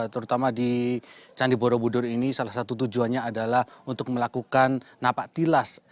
terutama di candi borobudur ini salah satu tujuannya adalah untuk melakukan napak tilas